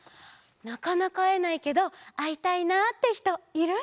なかなかあえないけどあいたいなってひといる？